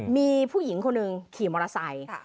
มีผู้หญิงคนหนึ่งขี่มอเตอร์ไซค์